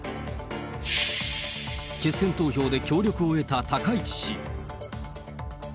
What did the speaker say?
決選投票で協力を得た高市氏。